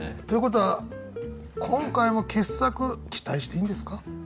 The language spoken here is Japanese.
ということは今回も傑作期待していいんですか？